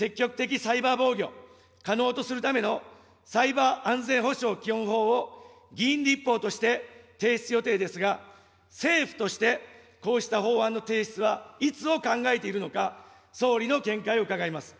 サイバー防御を可能とするための、サイバー安全保障基本法を議員立法として提出予定ですが、政府としてこうした法案の提出はいつを考えているのか、総理の見解を伺います。